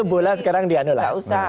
itu bola sekarang diandalkan